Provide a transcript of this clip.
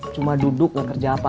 cuma duduk dan kerja apa apa